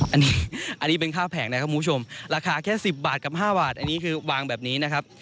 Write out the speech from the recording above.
อันนี้อันนี้เป็นค่าแผงนะครับคุณผู้ชมราคาแค่๑๐บาทกับ๕บาทอันนี้คือวางแบบนี้นะครับ